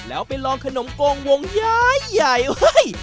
แล้วไปลองขนมโกงวงย้ายให้